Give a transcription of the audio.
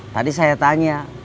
tadi saya tanya